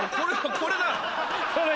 これだ！